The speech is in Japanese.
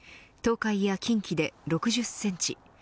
東海や近畿で６０センチ